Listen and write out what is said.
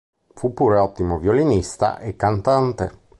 Fu pure ottimo violinista e cantante.